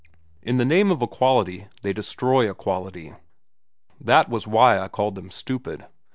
In the name of equality they destroy equality. That was why I called them stupid.